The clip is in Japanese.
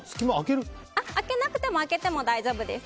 開けなくても開けても大丈夫です。